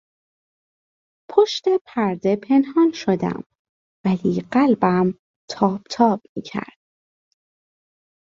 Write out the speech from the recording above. پشت پرده پنهان شدم ولی قلبم تاپ تاپ میکرد.